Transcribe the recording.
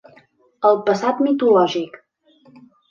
El passat mitològic.